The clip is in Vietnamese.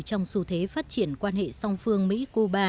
trong xu thế phát triển quan hệ song phương mỹ cuba